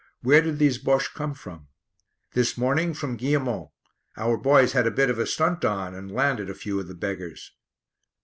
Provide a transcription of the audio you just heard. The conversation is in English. Where did these Bosches come from?" "This morning, from Guillemont; our boys had a bit of a stunt on and landed a few of the beggars."